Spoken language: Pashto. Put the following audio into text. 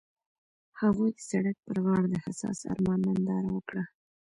هغوی د سړک پر غاړه د حساس آرمان ننداره وکړه.